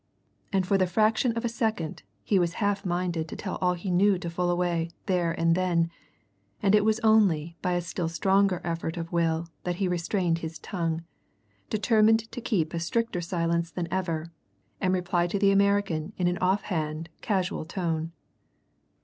And for the fraction of a second he was half minded to tell all he knew to Fullaway there and then and it was only by a still stronger effort of will that he restrained his tongue, determined to keep a stricter silence than ever, and replied to the American in an offhand, casual tone.